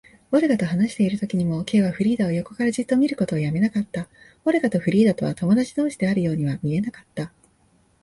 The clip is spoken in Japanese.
オルガと話しているときにも、Ｋ はフリーダを横からじっと見ることをやめなかった。オルガとフリーダとは友だち同士であるようには見えなかった。